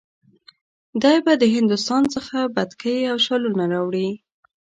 دی به د هندوستان څخه بتکۍ او شالونه راوړي.